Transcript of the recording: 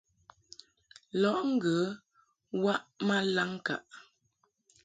Lɔʼ ŋgə waʼ ma laŋŋkaʼ.